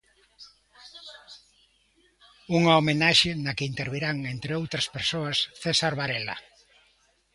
Unha homenaxe na que intervirán, entre outras persoas César Varela.